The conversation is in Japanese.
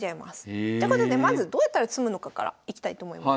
てことでまずどうやったら詰むのかからいきたいと思います。